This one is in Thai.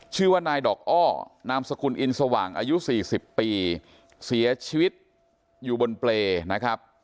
ชื่อว่านายดอกอ้อนามสกุลอินสว่างอายุสี่สิบปีเสียชีวิตอยู่บนเปรย์นะครับ